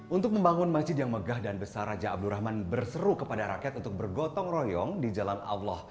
untuk membangun masjid yang megah dan besar raja abdurrahman berseru kepada rakyat untuk bergotong royong di jalan allah